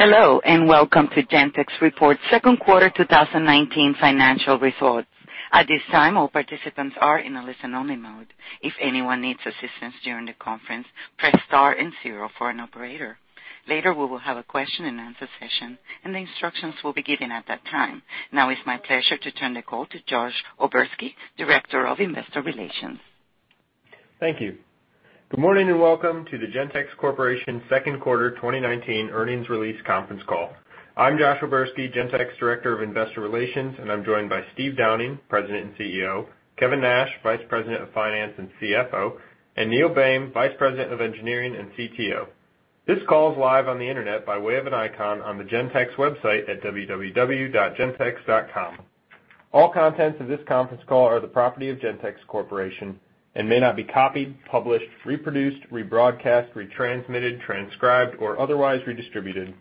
Hello, welcome to Gentex Report Second Quarter 2019 Financial Results. At this time, all participants are in a listen-only mode. If anyone needs assistance during the conference, press star 0 for an operator. Later, we will have a question-and-answer session and the instructions will be given at that time. It's my pleasure to turn the call to Josh O'Berski, Director of Investor Relations. Thank you. Good morning, welcome to the Gentex Corporation Second Quarter 2019 Earnings Release Conference Call. I'm Josh O'Berski, Gentex, Director of Investor Relations, and I'm joined by Steve Downing, President and CEO, Kevin Nash, Vice President of Finance and CFO, and Neil Boehm, Vice President of Engineering and CTO. This call is live on the internet by way of an icon on the Gentex website at www.gentex.com. Contents of this conference call are the property of Gentex Corporation and may not be copied, published, reproduced, rebroadcast, retransmitted, transcribed, or otherwise redistributed.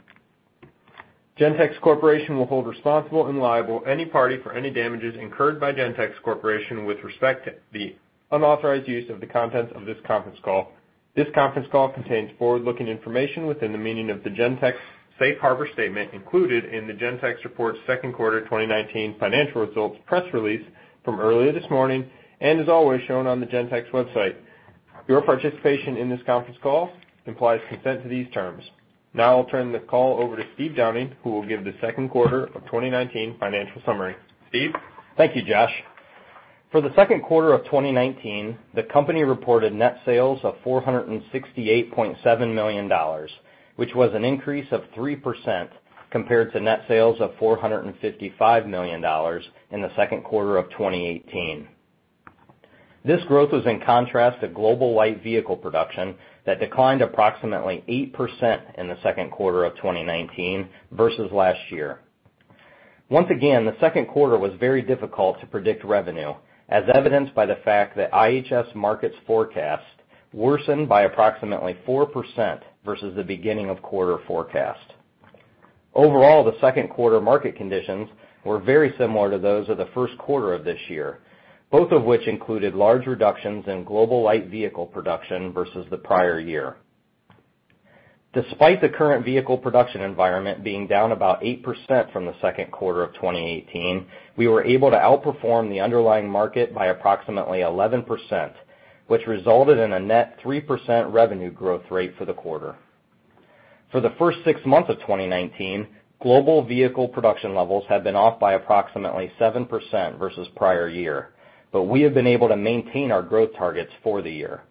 Gentex Corporation will hold responsible and liable any party for any damages incurred by Gentex Corporation with respect to the unauthorized use of the contents of this conference call. This conference call contains forward-looking information within the meaning of the Gentex safe harbor statement included in the Gentex Report second quarter 2019 financial results press release from earlier this morning and is always shown on the Gentex website. Your participation in this conference call implies consent to these terms. I'll turn the call over to Steve Downing, who will give the second quarter of 2019 financial summary. Steve? Thank you, Josh. For the second quarter of 2019, the company reported net sales of $468.7 million, which was an increase of 3% compared to net sales of $455 million in the second quarter of 2018. This growth was in contrast to global light vehicle production that declined approximately 8% in the second quarter of 2019 versus last year. Once again, the second quarter was very difficult to predict revenue, as evidenced by the fact that IHS Markit's forecast worsened by approximately 4% versus the beginning of quarter forecast. Overall, the second quarter market conditions were very similar to those of the first quarter of this year, both of which included large reductions in global light vehicle production versus the prior year. Despite the current vehicle production environment being down about 8% from the second quarter of 2018, we were able to outperform the underlying market by approximately 11%, which resulted in a net 3% revenue growth rate for the quarter. For the first six months of 2019, global vehicle production levels have been off by approximately 7% versus prior year, but we have been able to maintain our growth targets for the year.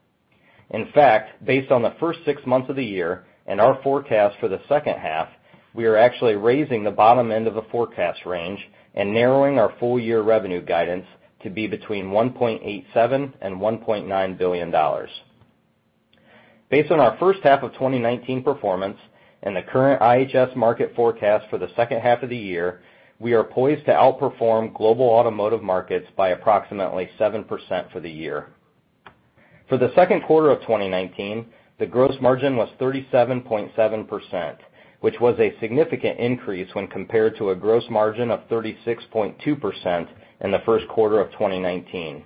In fact, based on the first six months of the year and our forecast for the second half, we are actually raising the bottom end of the forecast range and narrowing our full year revenue guidance to be between $1.87 billion and $1.9 billion. Based on our first half of 2019 performance and the current IHS Markit forecast for the second half of the year, we are poised to outperform global automotive markets by approximately 7% for the year. For the second quarter of 2019, the gross margin was 37.7%, which was a significant increase when compared to a gross margin of 36.2% in the first quarter of 2019.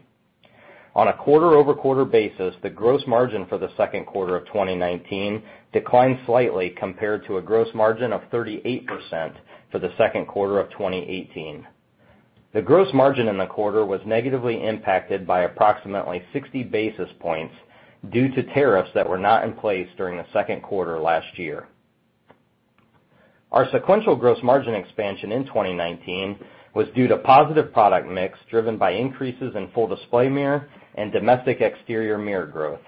On a quarter-over-quarter basis, the gross margin for the second quarter of 2019 declined slightly compared to a gross margin of 38% for the second quarter of 2018. The gross margin in the quarter was negatively impacted by approximately 60 basis points due to tariffs that were not in place during the second quarter last year. Our sequential gross margin expansion in 2019 was due to positive product mix driven by increases in Full Display Mirror and domestic exterior mirror growth,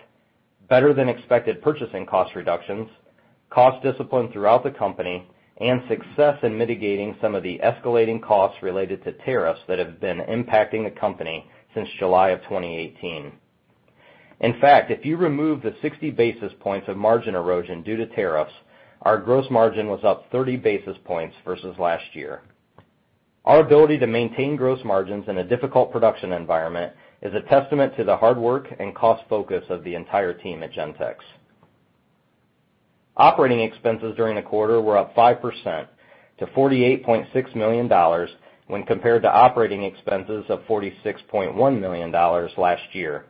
better than expected purchasing cost reductions, cost discipline throughout the company, and success in mitigating some of the escalating costs related to tariffs that have been impacting the company since July of 2018. In fact, if you remove the 60 basis points of margin erosion due to tariffs, our gross margin was up 30 basis points versus last year. Our ability to maintain gross margins in a difficult production environment is a testament to the hard work and cost focus of the entire team at Gentex. Operating expenses during the quarter were up 5% to $48.6 million when compared to operating expenses of $46.1 million last year.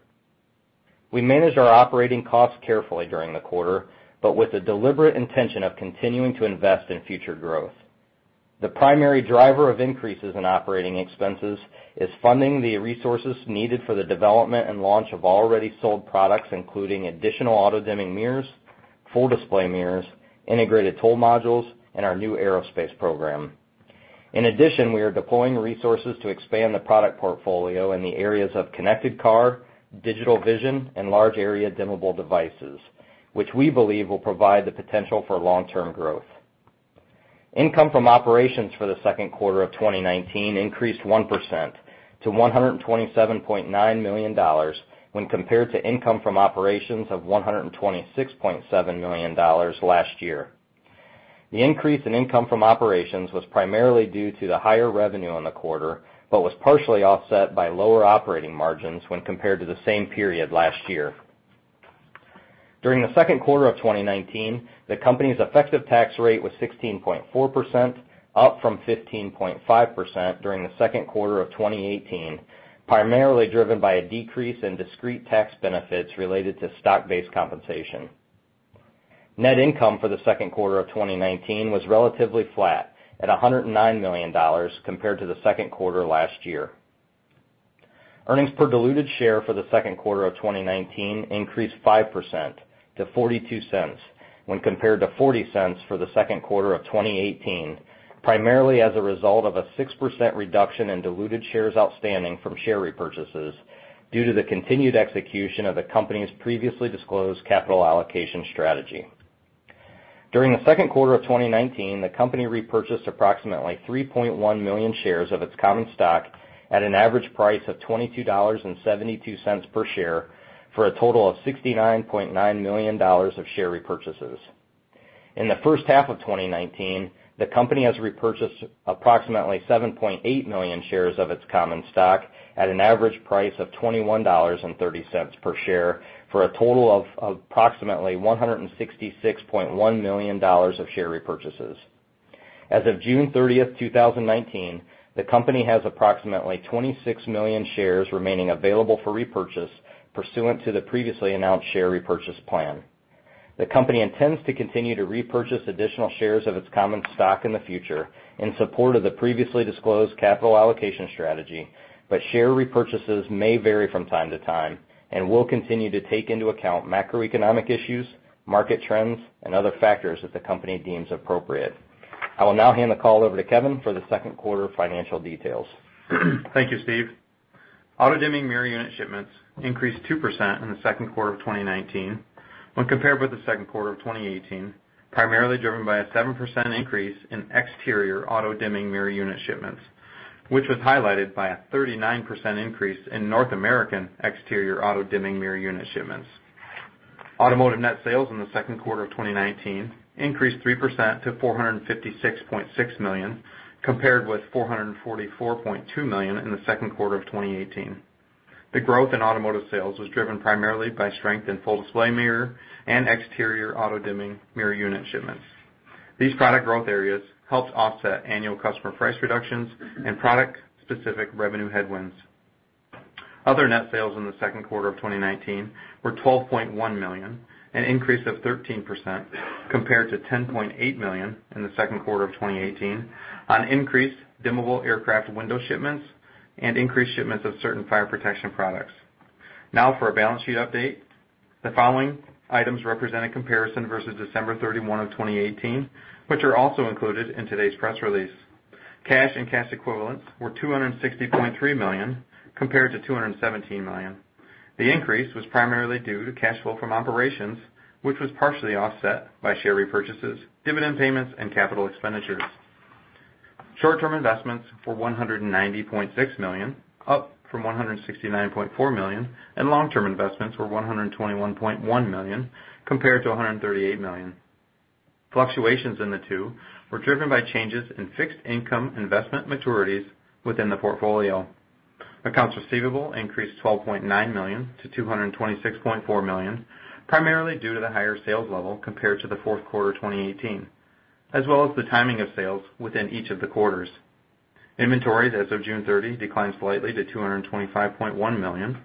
We managed our operating costs carefully during the quarter, but with the deliberate intention of continuing to invest in future growth. The primary driver of increases in operating expenses is funding the resources needed for the development and launch of already sold products, including additional auto-dimming mirrors, Full Display Mirrors, Integrated Toll Module, and our new aerospace program. In addition, we are deploying resources to expand the product portfolio in the areas of connected car, digital vision, and large area dimmable devices, which we believe will provide the potential for long-term growth. Income from operations for the second quarter of 2019 increased 1% to $127.9 million when compared to income from operations of $126.7 million last year. The increase in income from operations was primarily due to the higher revenue in the quarter but was partially offset by lower operating margins when compared to the same period last year. During the second quarter of 2019, the company's effective tax rate was 16.4%, up from 15.5% during the second quarter of 2018, primarily driven by a decrease in discrete tax benefits related to stock-based compensation. Net income for the second quarter of 2019 was relatively flat at $109 million compared to the second quarter last year. Earnings per diluted share for the second quarter of 2019 increased 5% to $0.42 when compared to $0.40 for the second quarter of 2018, primarily as a result of a 6% reduction in diluted shares outstanding from share repurchases due to the continued execution of the company's previously disclosed capital allocation strategy. During the second quarter of 2019, the company repurchased approximately 3.1 million shares of its common stock at an average price of $22.72 per share for a total of $69.9 million of share repurchases. In the first half of 2019, the company has repurchased approximately 7.8 million shares of its common stock at an average price of $21.30 per share for a total of approximately $166.1 million of share repurchases. As of June 30, 2019, the company has approximately 26 million shares remaining available for repurchase pursuant to the previously announced share repurchase plan. The company intends to continue to repurchase additional shares of its common stock in the future in support of the previously disclosed capital allocation strategy, but share repurchases may vary from time to time and will continue to take into account macroeconomic issues, market trends, and other factors that the company deems appropriate. I will now hand the call over to Kevin for the second quarter financial details. Thank you, Steve. auto-dimming mirror unit shipments increased 2% in the second quarter of 2019 when compared with the second quarter of 2018, primarily driven by a 7% increase in exterior auto-dimming mirror unit shipments, which was highlighted by a 39% increase in North American exterior auto-dimming mirror unit shipments. Automotive net sales in the second quarter of 2019 increased 3% to $456.6 million, compared with $444.2 million in the second quarter of 2018. The growth in automotive sales was driven primarily by strength in Full Display Mirror and exterior auto-dimming mirror unit shipments. These product growth areas helped offset annual customer price reductions and product-specific revenue headwinds. Other net sales in the second quarter of 2019 were $12.1 million, an increase of 13% compared to $10.8 million in the second quarter of 2018 on increased dimmable aircraft window shipments and increased shipments of certain fire protection products. Now for our balance sheet update. The following items represent a comparison versus December 31 of 2018, which are also included in today's press release. Cash and cash equivalents were $260.3 million compared to $217 million. The increase was primarily due to cash flow from operations, which was partially offset by share repurchases, dividend payments, and capital expenditures. Short-term investments were $190.6 million, up from $169.4 million, and long-term investments were $121.1 million, compared to $138 million. Fluctuations in the two were driven by changes in fixed income investment maturities within the portfolio. Accounts receivable increased $12.9 million to $226.4 million, primarily due to the higher sales level compared to the fourth quarter 2018, as well as the timing of sales within each of the quarters. Inventories as of June 30 declined slightly to $225.1 million.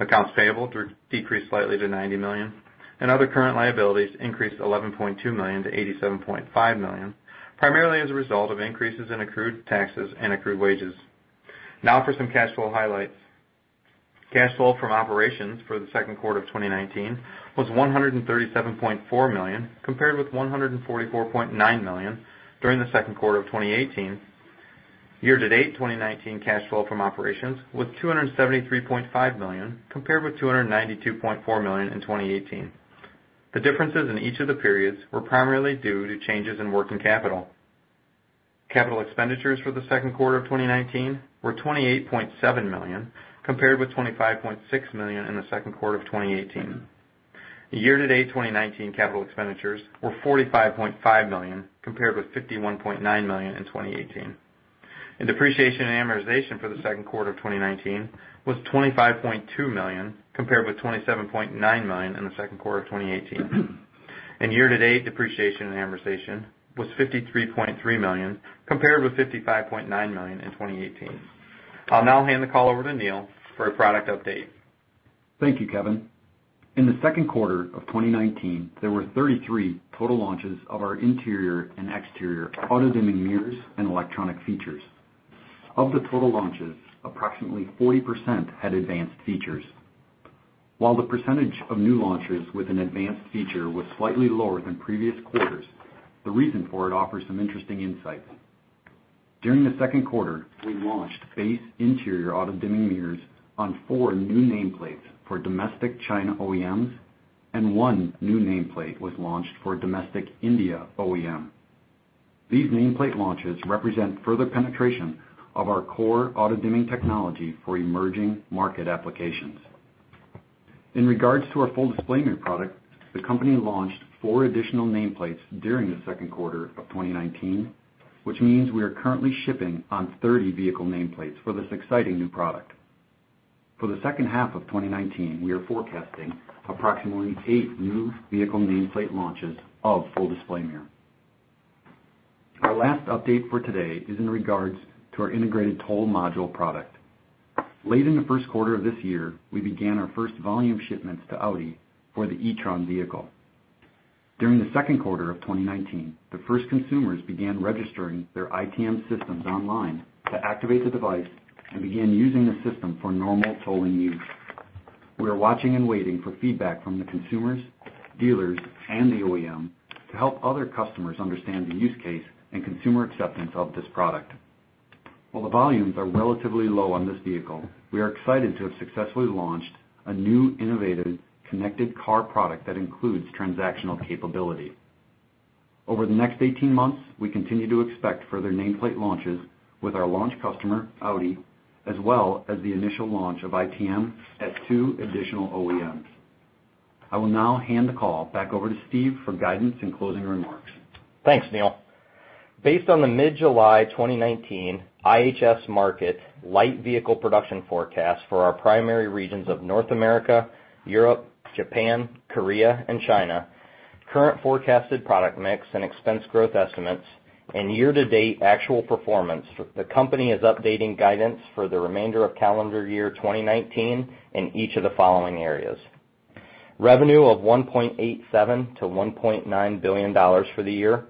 Accounts payable decreased slightly to $90 million. Other current liabilities increased $11.2 million to $87.5 million, primarily as a result of increases in accrued taxes and accrued wages. Now for some cash flow highlights. Cash flow from operations for the second quarter of 2019 was $137.4 million, compared with $144.9 million during the second quarter of 2018. Year-to-date 2019 cash flow from operations was $273.5 million, compared with $292.4 million in 2018. The differences in each of the periods were primarily due to changes in working capital. Capital expenditures for the second quarter of 2019 were $28.7 million, compared with $25.6 million in the second quarter of 2018. The year-to-date 2019 capital expenditures were $45.5 million, compared with $51.9 million in 2018. Depreciation and amortization for the second quarter of 2019 was $25.2 million, compared with $27.9 million in the second quarter of 2018. Year-to-date depreciation and amortization was $53.3 million, compared with $55.9 million in 2018. I'll now hand the call over to Neil for a product update. Thank you, Kevin. In the second quarter of 2019, there were 33 total launches of our interior and exterior auto-dimming mirrors and electronic features. Of the total launches, approximately 40% had advanced features. While the percentage of new launches with an advanced feature was slightly lower than previous quarters, the reason for it offers some interesting insights. During the second quarter, we launched base interior auto-dimming mirrors on four new nameplates for domestic China OEMs and one new nameplate was launched for domestic India OEM. These nameplate launches represent further penetration of our core auto-dimming technology for emerging market applications. In regards to our Full Display Mirror product, the company launched four additional nameplates during the second quarter of 2019, which means we are currently shipping on 30 vehicle nameplates for this exciting new product. For the second half of 2019, we are forecasting approximately eight new vehicle nameplate launches of Full Display Mirror. Our last update for today is in regards to our Integrated Toll Module product. Late in the first quarter of this year, we began our first volume shipments to Audi for the e-tron vehicle. During the second quarter of 2019, the first consumers began registering their ITM systems online to activate the device and begin using the system for normal tolling use. We are watching and waiting for feedback from the consumers, dealers, and the OEM to help other customers understand the use case and consumer acceptance of this product. While the volumes are relatively low on this vehicle, we are excited to have successfully launched a new, innovative, connected car product that includes transactional capability. Over the next 18 months, we continue to expect further nameplate launches with our launch customer, Audi, as well as the initial launch of ITM at two additional OEMs. I will now hand the call back over to Steve for guidance and closing remarks. Thanks, Neil. Based on the mid-July 2019 IHS Markit light vehicle production forecast for our primary regions of North America, Europe, Japan, Korea, and China, current forecasted product mix and expense growth estimates, and year-to-date actual performance, the company is updating guidance for the remainder of calendar year 2019 in each of the following areas: Revenue of $1.87 billion-$1.9 billion for the year,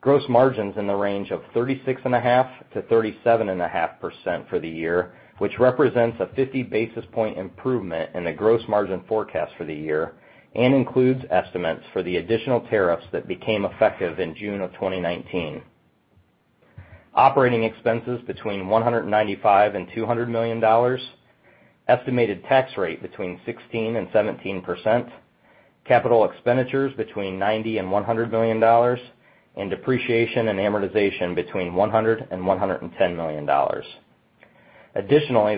gross margins in the range of 36.5%-37.5% for the year, which represents a 50-basis-point improvement in the gross margin forecast for the year and includes estimates for the additional tariffs that became effective in June of 2019. Operating expenses between $195 million and $200 million, estimated tax rate between 16% and 17%, capital expenditures between $90 million and $100 million, and depreciation and amortization between $100 million and $110 million.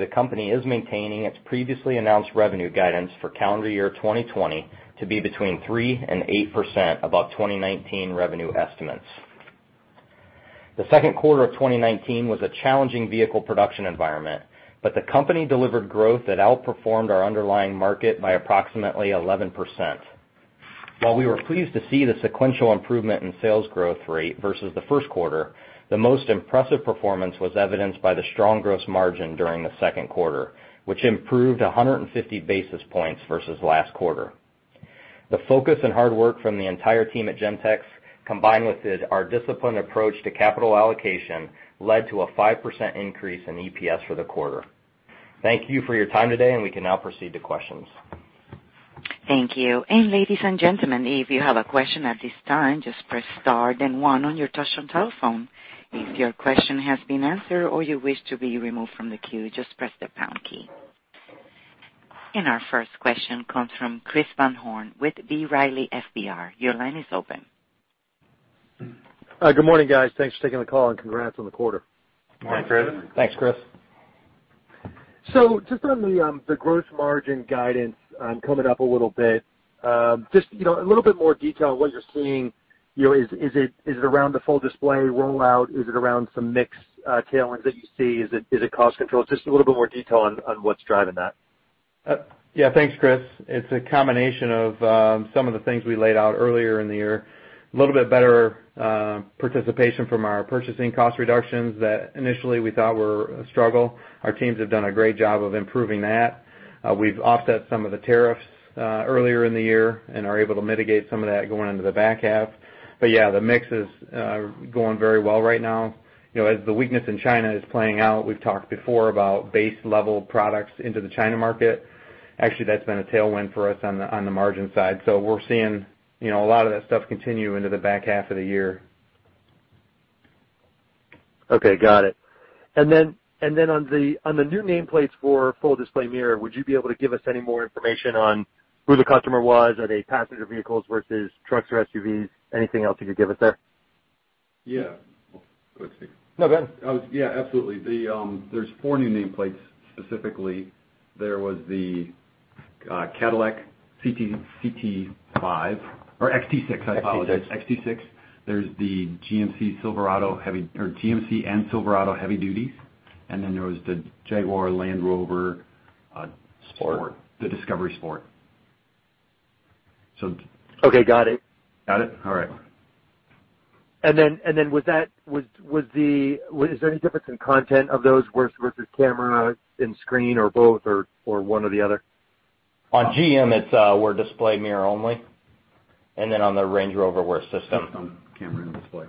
The company is maintaining its previously announced revenue guidance for calendar year 2020 to be between 3% and 8% above 2019 revenue estimates. The second quarter of 2019 was a challenging vehicle production environment, but the company delivered growth that outperformed our underlying market by approximately 11%. While we were pleased to see the sequential improvement in sales growth rate versus the first quarter, the most impressive performance was evidenced by the strong gross margin during the second quarter, which improved 150 basis points versus last quarter. The focus and hard work from the entire team at Gentex, combined with our disciplined approach to capital allocation, led to a 5% increase in EPS for the quarter. Thank you for your time today. We can now proceed to questions. Thank you. Ladies and gentlemen, if you have a question at this time, just press star then one on your touchtone telephone. If your question has been answered or you wish to be removed from the queue, just press the pound key. Our first question comes from Chris Van Horn with B. Riley FBR. Your line is open. Good morning, guys. Thanks for taking the call, congrats on the quarter. Morning, Chris. Thanks, Chris. Just on the gross margin guidance coming up a little bit. Just a little bit more detail on what you're seeing. Is it around the Full Display rollout? Is it around some mix tailwinds that you see? Is it cost control? Just a little bit more detail on what's driving that? Yeah. Thanks, Chris. It's a combination of some of the things we laid out earlier in the year. A little bit better participation from our purchasing cost reductions that initially we thought were a struggle. Our teams have done a great job of improving that. We've offset some of the tariffs earlier in the year and are able to mitigate some of that going into the back half. The mix is going very well right now. As the weakness in China is playing out, we've talked before about base-level products into the China market. Actually, that's been a tailwind for us on the margin side. We're seeing a lot of that stuff continue into the back half of the year. Okay. Got it. On the new nameplates for Full Display Mirror, would you be able to give us any more information on who the customer was? Are they passenger vehicles versus trucks or SUVs? Anything else you could give us there? Yeah. Go ahead, Steve. No, go ahead. Yeah, absolutely. There's four new nameplates, specifically. There was the Cadillac CT5 or XT6- XT6 I apologize, XT6. There's the GMC and Silverado heavy duties, and then there was the Jaguar Land Rover- Sport The Discovery Sport. Okay. Got it. Got it? All right. Was there any difference in content of those versus camera in-screen or both, or one or the other? On GM, we're display mirror only, and then on the Range Rover, we're system. That's on camera and display.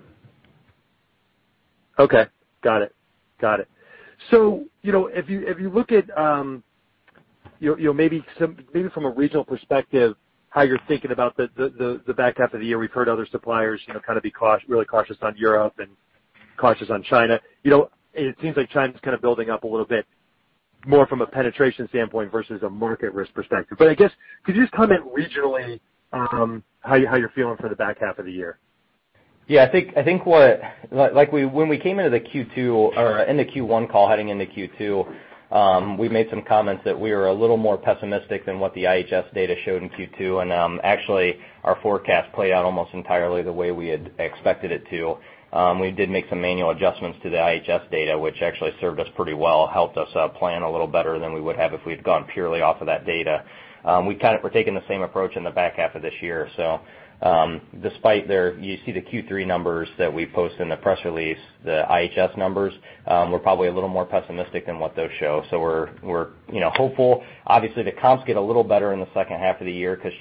Okay. Got it. If you look at maybe from a regional perspective, how you're thinking about the back half of the year. We've heard other suppliers kind of be really cautious on Europe and cautious on China. It seems like China's kind of building up a little bit more from a penetration standpoint versus a market risk perspective. I guess, could you just comment regionally how you're feeling for the back half of the year? Yeah, I think when we came into the Q2 or in the Q1 call heading into Q2, we made some comments that we were a little more pessimistic than what the IHS data showed in Q2. Actually, our forecast played out almost entirely the way we had expected it to. We did make some manual adjustments to the IHS data, which actually served us pretty well, helped us plan a little better than we would have if we'd gone purely off of that data. We're taking the same approach in the back half of this year. Despite there, you see the Q3 numbers that we post in the press release, the IHS numbers, we're probably a little more pessimistic than what those show. We're hopeful. Obviously, the comps get a little better in the second half of the year because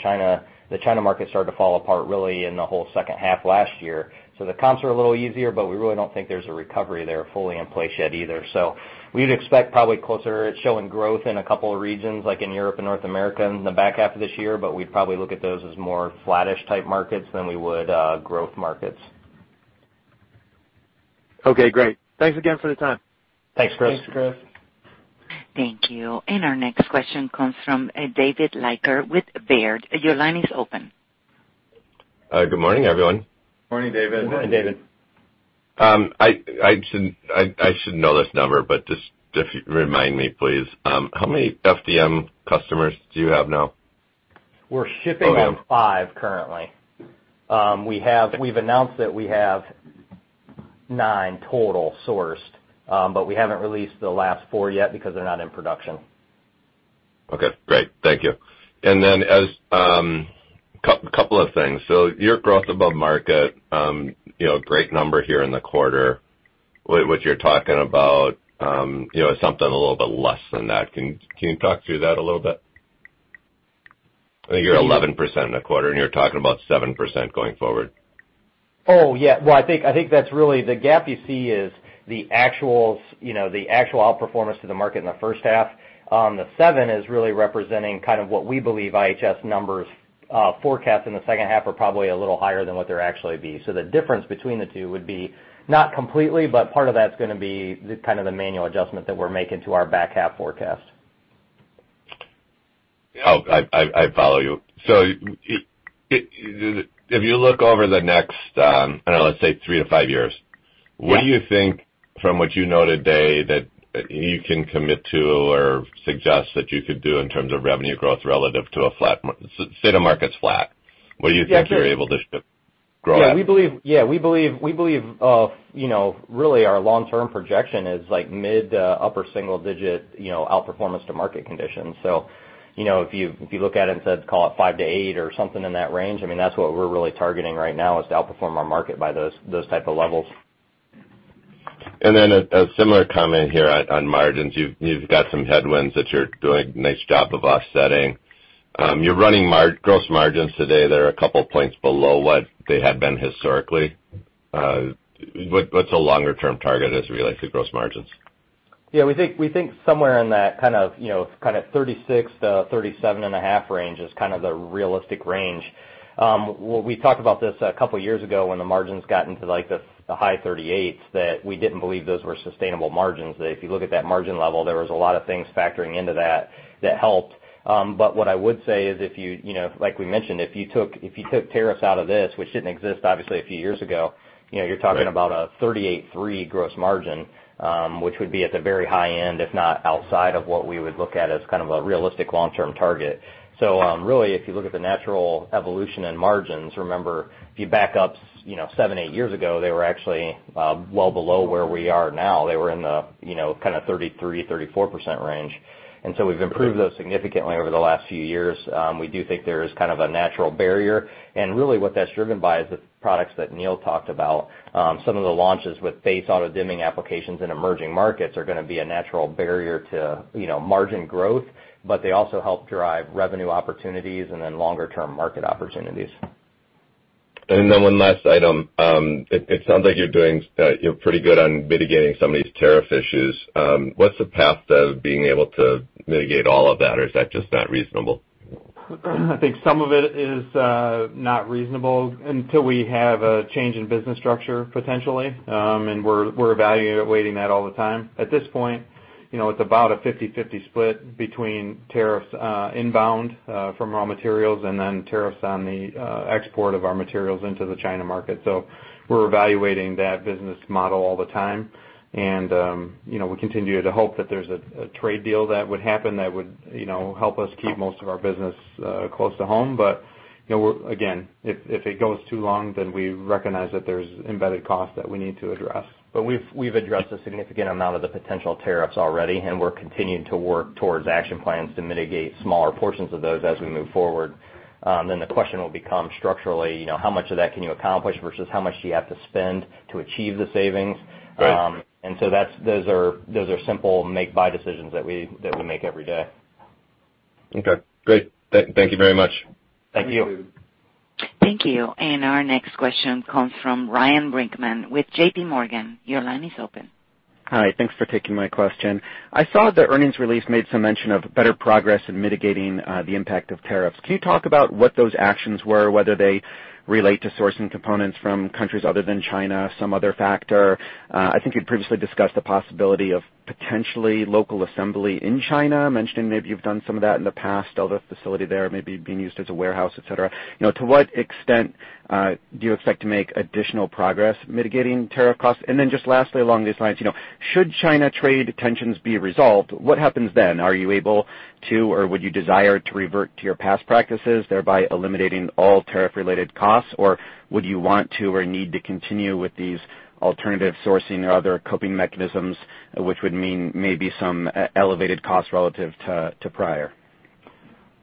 the China market started to fall apart really in the whole second half of last year. The comps are a little easier, but we really don't think there's a recovery there fully in place yet either. We'd expect probably closer, showing growth in a couple of regions like in Europe and North America in the back half of this year, but we'd probably look at those as more flattish type markets than we would growth markets. Okay, great. Thanks again for the time. Thanks, Chris. Thanks, Chris. Thank you. Our next question comes from David Leiker with Baird. Your line is open. Good morning, everyone. Morning, David. Morning, David. I should know this number, but just remind me, please. How many FDM customers do you have now? We're shipping at five currently. We've announced that we have nine total sourced. We haven't released the last four yet because they're not in production. Okay, great. Thank you. A couple of things. Your growth above market, great number here in the quarter. What you're talking about, something a little bit less than that. Can you talk through that a little bit? You're 11% in the quarter, and you're talking about 7% going forward. Well, I think that's really the gap you see is the actual outperformance to the market in the first half. The 7% is really representing kind of what we believe IHS numbers forecast in the second half are probably a little higher than what they'll actually be. The difference between the two would be not completely, but part of that's going to be kind of the manual adjustment that we're making to our back half forecast. I follow you. If you look over the next, let's say three to five years. Yeah what do you think, from what you know today, that you can commit to or suggest that you could do in terms of revenue growth relative to a flat...say the market's flat, what do you think you're able to grow at? We believe really our long-term projection is mid to upper single digit outperformance to market conditions. If you look at it and call it five to eight or something in that range, that's what we're really targeting right now is to outperform our market by those type of levels. A similar comment here on margins. You've got some headwinds that you're doing a nice job of offsetting. You're running gross margins today that are a couple points below what they had been historically. What's a longer-term target as it relates to gross margins? We think somewhere in that kind of 36%-37.5% range is kind of the realistic range. We talked about this a couple of years ago when the margins got into the high 38%s, that we didn't believe those were sustainable margins, that if you look at that margin level, there was a lot of things factoring into that helped. What I would say is if you, like we mentioned, if you took tariffs out of this, which didn't exist obviously a few years ago. Right you're talking about a 38.3% gross margin, which would be at the very high end, if not outside of what we would look at as kind of a realistic long-term target. Really, if you look at the natural evolution in margins, remember, if you back up seven, eight years ago, they were actually well below where we are now. They were in the kind of 33%-34% range. We've improved those significantly over the last few years. We do think there is kind of a natural barrier. Really what that's driven by is the products that Neil talked about. Some of the launches with base auto-dimming applications in emerging markets are going to be a natural barrier to margin growth, but they also help drive revenue opportunities and then longer-term market opportunities. Then one last item. It sounds like you're pretty good on mitigating some of these tariff issues. What's the path to being able to mitigate all of that? Or is that just not reasonable? I think some of it is not reasonable until we have a change in business structure, potentially. We're evaluating that all the time. At this point, it's about a 50/50 split between tariffs inbound from raw materials and tariffs on the export of our materials into the China market. We're evaluating that business model all the time. We continue to hope that there's a trade deal that would happen that would help us keep most of our business close to home. Again, if it goes too long, then we recognize that there's embedded costs that we need to address. We've addressed a significant amount of the potential tariffs already, we're continuing to work towards action plans to mitigate smaller portions of those as we move forward. The question will become structurally, how much of that can you accomplish versus how much do you have to spend to achieve the savings? Right. Those are simple make-buy decisions that we make every day. Okay, great. Thank you very much. Thank you. Thank you. Our next question comes from Ryan Brinkman with JPMorgan. Your line is open. Hi. Thanks for taking my question. I saw the earnings release made some mention of better progress in mitigating the impact of tariffs. Can you talk about what those actions were, whether they relate to sourcing components from countries other than China, some other factor? I think you'd previously discussed the possibility of potentially local assembly in China, mentioning maybe you've done some of that in the past, although the facility there may be being used as a warehouse, et cetera. To what extent do you expect to make additional progress mitigating tariff costs? Just lastly, along these lines, should China trade tensions be resolved, what happens then? Are you able to, or would you desire to revert to your past practices, thereby eliminating all tariff-related costs? Would you want to or need to continue with these alternative sourcing or other coping mechanisms, which would mean maybe some elevated costs relative to prior?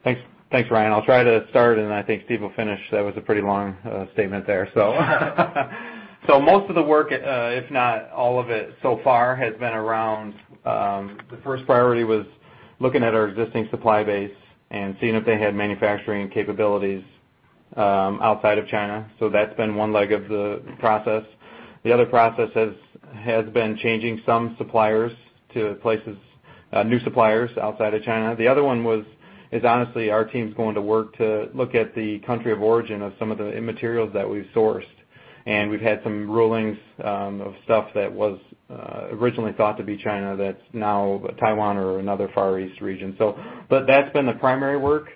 Thanks, Ryan. I'll try to start, and I think Steve will finish. That was a pretty long statement there. Most of the work, if not all of it so far, has been around, the first priority was looking at our existing supply base and seeing if they had manufacturing capabilities outside of China. That's been one leg of the process. The other process has been changing some suppliers to places, new suppliers outside of China. The other one is honestly our teams going to work to look at the country of origin of some of the materials that we've sourced, and we've had some rulings of stuff that was originally thought to be China that's now Taiwan or another Far East region. That's been the primary work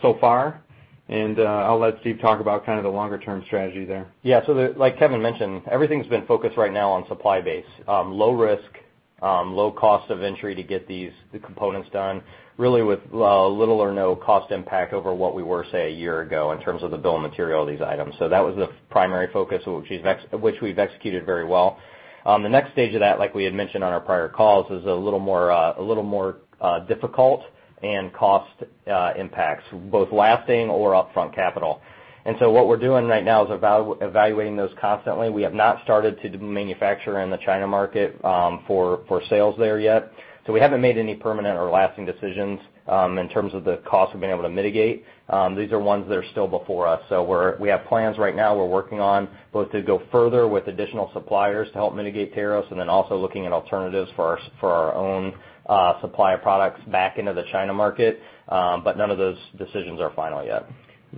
so far, and I'll let Steve talk about kind of the longer-term strategy there. Yeah. Like Kevin mentioned, everything's been focused right now on supply base. Low risk, low cost of entry to get these components done, really with little or no cost impact over what we were, say, a year ago in terms of the bill of material of these items. That was the primary focus, which we've executed very well. The next stage of that, like we had mentioned on our prior calls, is a little more difficult and cost impacts, both lasting or upfront capital. What we're doing right now is evaluating those constantly. We have not started to manufacture in the China market for sales there yet. We haven't made any permanent or lasting decisions in terms of the costs we've been able to mitigate. These are ones that are still before us. We have plans right now we're working on both to go further with additional suppliers to help mitigate tariffs and also looking at alternatives for our own supply of products back into the China market. None of those decisions are final yet.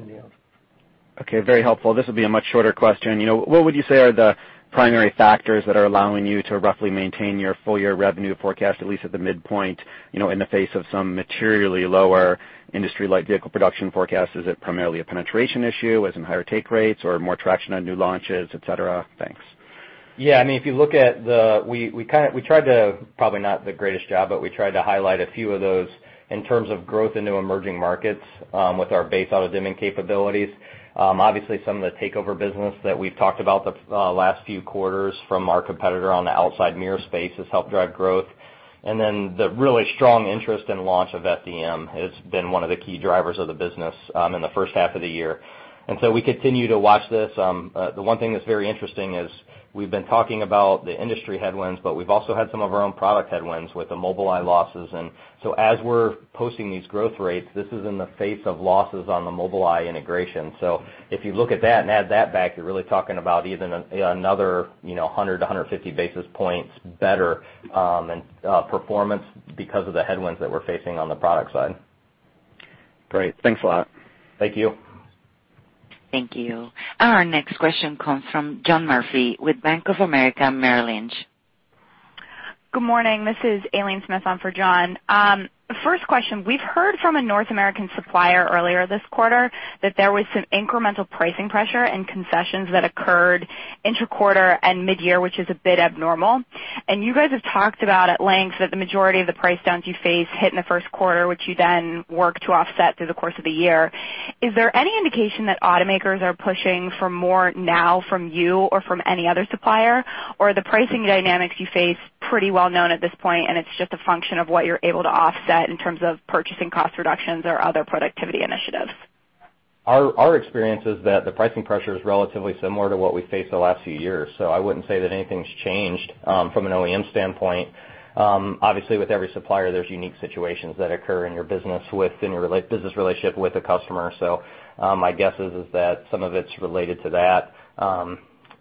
Any others? Very helpful. This will be a much shorter question. What would you say are the primary factors that are allowing you to roughly maintain your full-year revenue forecast, at least at the midpoint, in the face of some materially lower industry-wide vehicle production forecast? Is it primarily a penetration issue, as in higher take rates or more traction on new launches, et cetera? Thanks. We tried to, probably not the greatest job, but we tried to highlight a few of those in terms of growth into emerging markets with our base auto-dimming capabilities. Obviously, some of the takeover business that we've talked about the last few quarters from our competitor on the outside mirror space has helped drive growth. The really strong interest and launch of FDM has been one of the key drivers of the business in the first half of the year. We continue to watch this. The one thing that's very interesting is we've been talking about the industry headwinds, but we've also had some of our own product headwinds with the Mobileye losses. As we're posting these growth rates, this is in the face of losses on the Mobileye integration. If you look at that and add that back, you're really talking about even another 100-150 basis points better performance because of the headwinds that we're facing on the product side. Great. Thanks a lot. Thank you. Thank you. Our next question comes from John Murphy with Bank of America Merrill Lynch. Good morning. This is Aileen Smith on for John. First question, we've heard from a North American supplier earlier this quarter that there was some incremental pricing pressure and concessions that occurred inter-quarter and mid-year, which is a bit abnormal. You guys have talked about at length that the majority of the price downs you face hit in the first quarter, which you then work to offset through the course of the year. Is there any indication that automakers are pushing for more now from you or from any other supplier? Are the pricing dynamics you face pretty well known at this point, and it's just a function of what you're able to offset in terms of purchasing cost reductions or other productivity initiatives? Our experience is that the pricing pressure is relatively similar to what we faced the last few years. I wouldn't say that anything's changed from an OEM standpoint. Obviously, with every supplier, there's unique situations that occur in your business relationship with the customer. My guess is that some of it's related to that.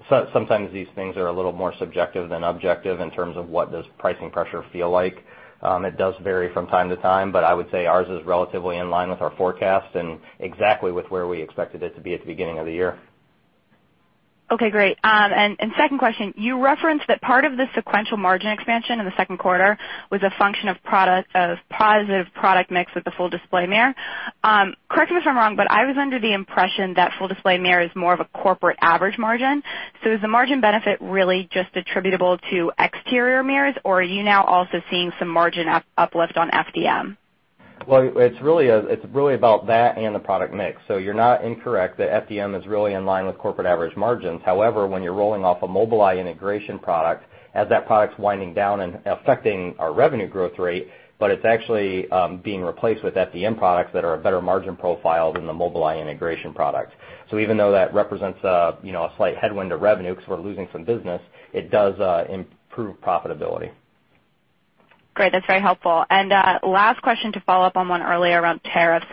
Sometimes these things are a little more subjective than objective in terms of what does pricing pressure feel like. It does vary from time to time, I would say ours is relatively in line with our forecast and exactly with where we expected it to be at the beginning of the year. Okay, great. Second question, you referenced that part of the sequential margin expansion in the second quarter was a function of positive product mix with the Full Display Mirror. Correct me if I'm wrong, I was under the impression that Full Display Mirror is more of a corporate average margin. Is the margin benefit really just attributable to exterior mirrors, are you now also seeing some margin uplift on FDM? Well, it's really about that and the product mix. You're not incorrect that FDM is really in line with corporate average margins. However, when you're rolling off a Mobileye integration product, as that product's winding down and affecting our revenue growth rate, it's actually being replaced with FDM products that are a better margin profile than the Mobileye integration product. Even though that represents a slight headwind to revenue because we're losing some business, it does improve profitability. Great. That's very helpful. Last question to follow up on one earlier around tariffs.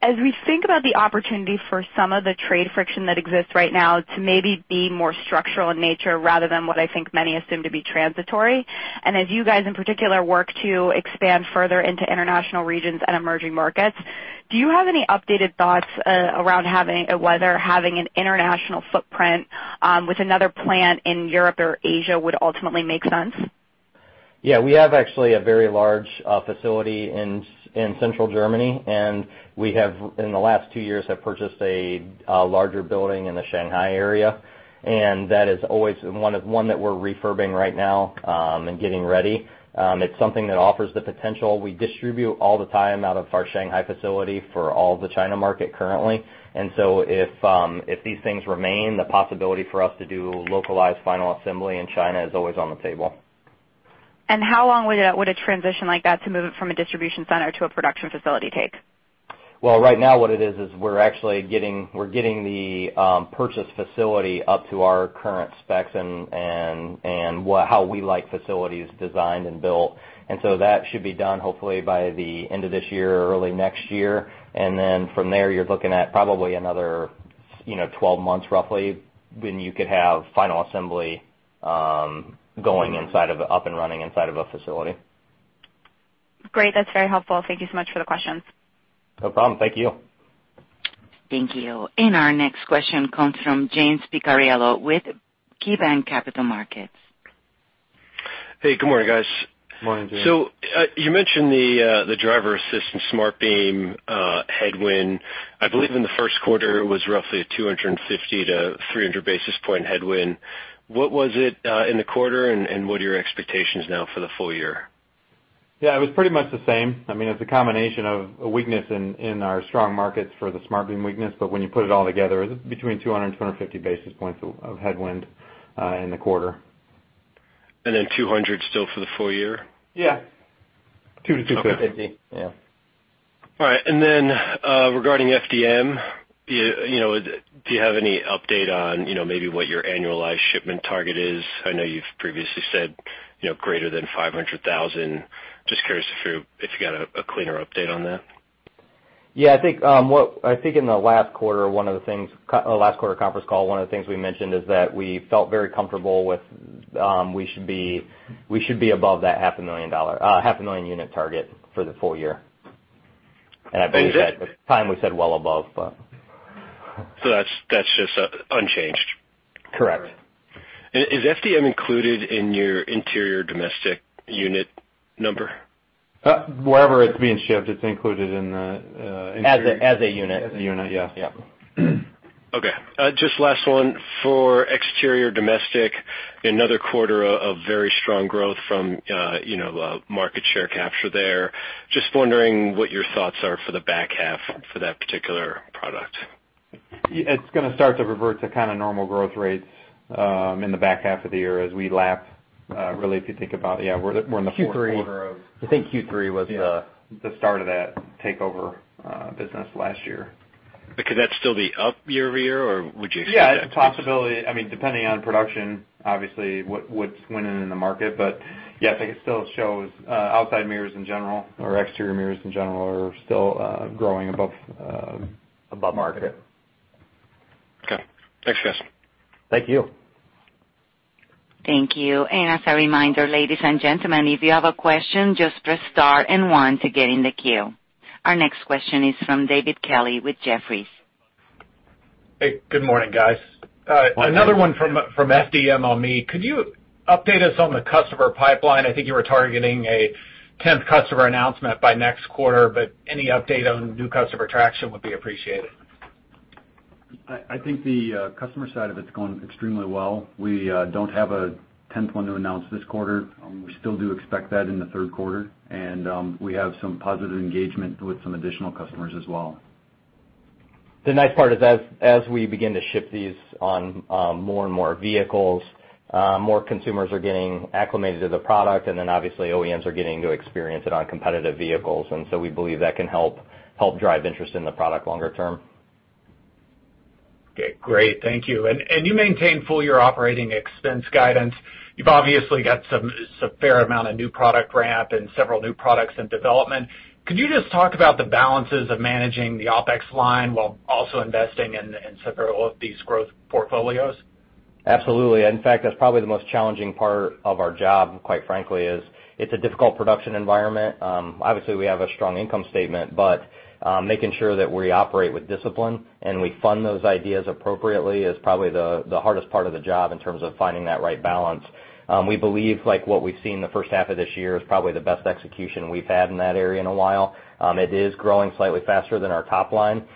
As we think about the opportunity for some of the trade friction that exists right now to maybe be more structural in nature rather than what I think many assume to be transitory, as you guys in particular work to expand further into international regions and emerging markets, do you have any updated thoughts around whether having an international footprint with another plant in Europe or Asia would ultimately make sense? Yeah. We have actually a very large facility in Central Germany. We have in the last two years, have purchased a larger building in the Shanghai area, that is always one that we're refurbing right now, getting ready. It's something that offers the potential. We distribute all the time out of our Shanghai facility for all the China market currently. If these things remain, the possibility for us to do localized final assembly in China is always on the table. How long would a transition like that to move it from a distribution center to a production facility take? Well, right now what it is we're actually getting the purchase facility up to our current specs and how we like facilities designed and built. That should be done hopefully by the end of this year or early next year. From there, you're looking at probably another 12 months roughly, when you could have final assembly going up and running inside of a facility. Great. That's very helpful. Thank you so much for the questions. No problem. Thank you. Thank you. Our next question comes from James Picariello with KeyBanc Capital Markets. Hey, good morning, guys. Morning, James. You mentioned the driver assistance SmartBeam headwind. I believe in the first quarter, it was roughly a 250-300 basis point headwind. What was it, in the quarter, and what are your expectations now for the full year? It was pretty much the same. It's a combination of a weakness in our strong markets for the SmartBeam weakness. When you put it all together, it was between 200 and 250 basis points of headwind, in the quarter. 200 basis points still for the full year? Yeah. 200-250 basis points. 250 basis points. Yeah. All right. Regarding FDM, do you have any update on maybe what your annualized shipment target is? I know you've previously said greater than 500,000. Just curious if you got a cleaner update on that. Yeah, I think in the last quarter conference call, one of the things we mentioned is that we felt very comfortable with, we should be above that half a million unit target for the full year. I believe at the time we said well above. That's just unchanged. Correct. Is FDM included in your interior domestic unit number? Wherever it's being shipped, it's included in the... As a unit As a unit, yeah. Yeah. Okay. Just last one. For exterior domestic, another quarter of very strong growth from market share capture there. Just wondering what your thoughts are for the back half for that particular product. It's gonna start to revert to kind of normal growth rates in the back half of the year as we lap. Really, if you think about, yeah, we're in the fourth quarter of. I think Q3 was the... The start of that takeover business last year. Could that still be up year-over-year, or would you expect that? Yeah, it's a possibility. Depending on production, obviously, what's winning in the market. Yeah, I think it still shows outside mirrors in general or exterior mirrors in general are still growing above. Above market. Yeah. Okay. Thanks, guys. Thank you. Thank you. As a reminder, ladies and gentlemen, if you have a question, just press star and one to get in the queue. Our next question is from David Kelley with Jefferies. Hey, good morning, guys. Another one from FDM on me. Could you update us on the customer pipeline? I think you were targeting a 10th customer announcement by next quarter. Any update on new customer traction would be appreciated. I think the customer side of it's going extremely well. We don't have a 10th one to announce this quarter. We still do expect that in the third quarter. We have some positive engagement with some additional customers as well. The nice part is as we begin to ship these on more and more vehicles, more consumers are getting acclimated to the product, then obviously OEMs are getting to experience it on competitive vehicles. We believe that can help drive interest in the product longer term. Okay, great. Thank you. You maintain full-year operating expense guidance. You've obviously got some fair amount of new product ramp and several new products in development. Could you just talk about the balances of managing the OpEx line while also investing in several of these growth portfolios? Absolutely. In fact, that's probably the most challenging part of our job, quite frankly, is it's a difficult production environment. Obviously, we have a strong income statement, making sure that we operate with discipline and we fund those ideas appropriately is probably the hardest part of the job in terms of finding that right balance. We believe, like what we've seen the first half of this year is probably the best execution we've had in that area in a while. It is growing slightly faster than our top line,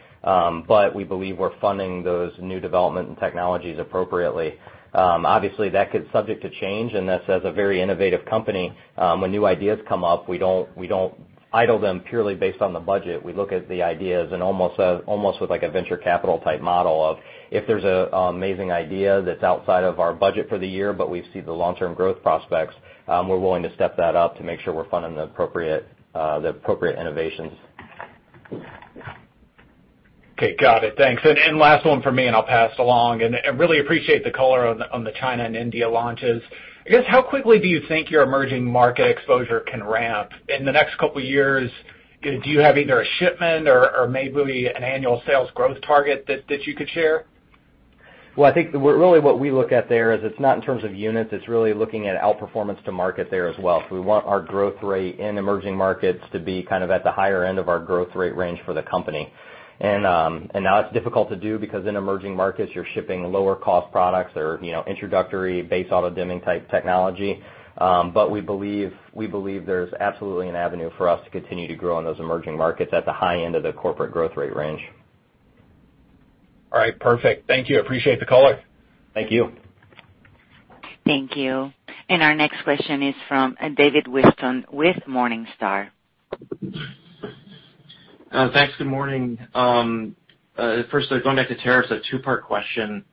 we believe we're funding those new development and technologies appropriately. Obviously, that could subject to change, that's as a very innovative company, when new ideas come up, we don't idle them purely based on the budget. We look at the ideas and almost with like a venture capital type model of if there's an amazing idea that's outside of our budget for the year, but we see the long-term growth prospects, we're willing to step that up to make sure we're funding the appropriate innovations. Okay, got it. Thanks. Last one from me, I'll pass it along. Really appreciate the color on the China and India launches. I guess, how quickly do you think your emerging market exposure can ramp in the next couple of years? Do you have either a shipment or maybe an annual sales growth target that you could share? Well, I think really what we look at there is it's not in terms of units, it's really looking at outperformance to market there as well. We want our growth rate in emerging markets to be kind of at the higher end of our growth rate range for the company. That's difficult to do because in emerging markets, you're shipping lower cost products or introductory base auto-dimming type technology. We believe there's absolutely an avenue for us to continue to grow in those emerging markets at the high end of the corporate growth rate range. All right, perfect. Thank you. Appreciate the color. Thank you. Thank you. Our next question is from David Whiston with Morningstar. Thanks. Good morning. First going back to tariffs, a two-part question.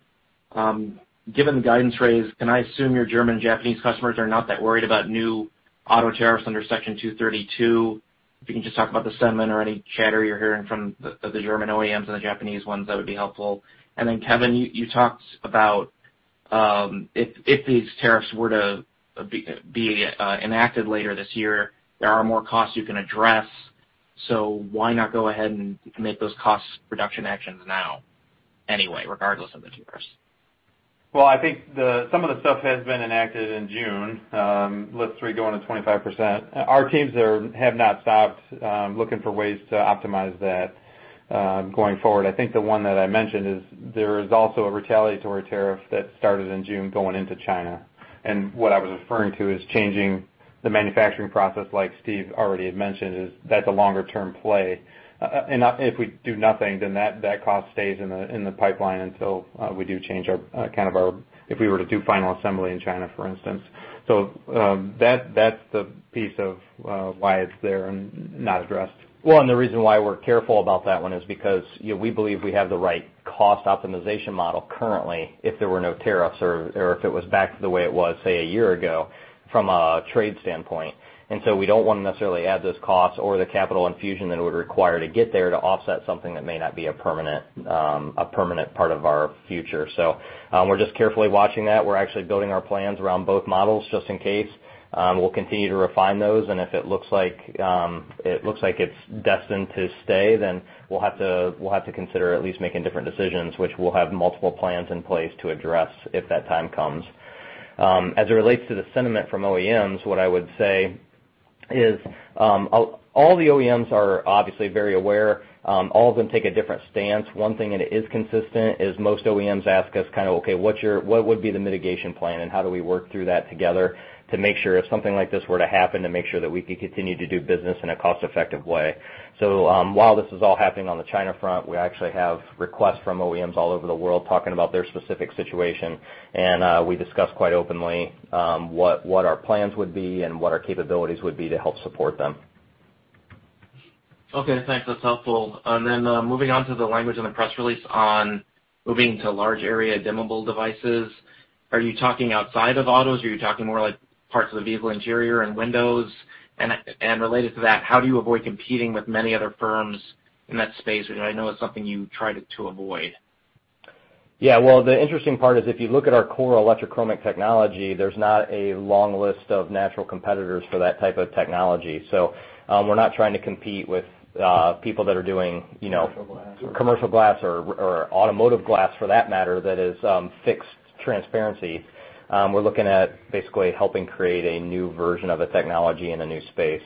Given the guidance raise, can I assume your German, Japanese customers are not that worried about new auto tariffs under Section 232? If you can just talk about the sentiment or any chatter you're hearing from the German OEMs and the Japanese ones, that would be helpful. Kevin, you talked about if these tariffs were to be enacted later this year, there are more costs you can address. Why not go ahead and make those cost reduction actions now anyway, regardless of the tariffs? I think some of the stuff has been enacted in June. List three going to 25%. Our teams have not stopped looking for ways to optimize that going forward. I think the one that I mentioned is there is also a retaliatory tariff that started in June going into China. What I was referring to is changing the manufacturing process, like Steve already had mentioned, is that's a longer-term play. If we do nothing, then that cost stays in the pipeline until we do change if we were to do final assembly in China, for instance. That's the piece of why it's there and not addressed. The reason why we're careful about that one is because we believe we have the right cost optimization model currently if there were no tariffs or if it was back to the way it was, say, a year ago from a trade standpoint. We don't want to necessarily add those costs or the capital infusion that it would require to get there to offset something that may not be a permanent part of our future. We're just carefully watching that. We're actually building our plans around both models, just in case. We'll continue to refine those, and if it looks like it's destined to stay, then we'll have to consider at least making different decisions, which we'll have multiple plans in place to address if that time comes. As it relates to the sentiment from OEMs, what I would say is all the OEMs are obviously very aware. All of them take a different stance. One thing that is consistent is most OEMs ask us kind of, okay, what would be the mitigation plan and how do we work through that together to make sure if something like this were to happen, to make sure that we could continue to do business in a cost-effective way. While this is all happening on the China front, we actually have requests from OEMs all over the world talking about their specific situation, and we discuss quite openly what our plans would be and what our capabilities would be to help support them. Okay, thanks. That's helpful. Moving on to the language in the press release on moving to large area dimmable devices. Are you talking outside of autos? Are you talking more like parts of the vehicle interior and windows? Related to that, how do you avoid competing with many other firms in that space? I know it's something you tried to avoid. Yeah. The interesting part is if you look at our core electrochromic technology, there's not a long list of natural competitors for that type of technology. We're not trying to compete with people that are doing... Commercial glass. Commercial glass or automotive glass for that matter, that is fixed transparency. We're looking at basically helping create a new version of a technology in a new space.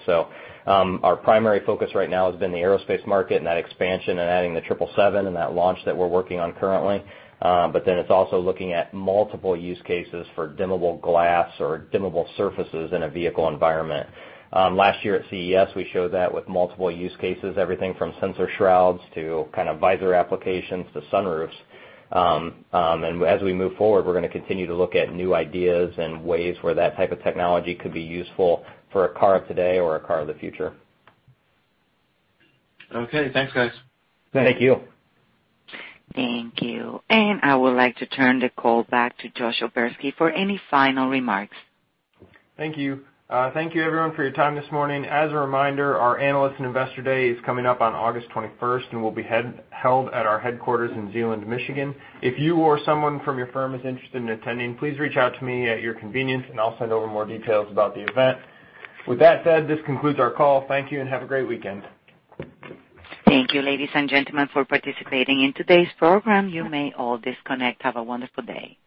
Our primary focus right now has been the aerospace market and that expansion and adding the 777X and that launch that we're working on currently. It's also looking at multiple use cases for dimmable glass or dimmable surfaces in a vehicle environment. Last year at CES, we showed that with multiple use cases, everything from sensor shrouds to kind of visor applications to sunroofs. As we move forward, we're going to continue to look at new ideas and ways where that type of technology could be useful for a car today or a car of the future. Okay. Thanks, guys. Thank you. Thank you. I would like to turn the call back to Josh O'Berski for any final remarks. Thank you. Thank you everyone for your time this morning. As a reminder, our Analyst and Investor Day is coming up on August 21st and will be held at our headquarters in Zeeland, Michigan. If you or someone from your firm is interested in attending, please reach out to me at your convenience and I'll send over more details about the event. With that said, this concludes our call. Thank you and have a great weekend. Thank you, ladies and gentlemen, for participating in today's program. You may all disconnect. Have a wonderful day.